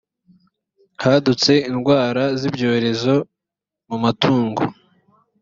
hadutse indwara z’ibyorezo mu matungo